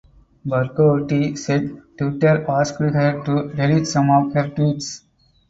Barghouti said Twitter asked her to delete some of her tweets.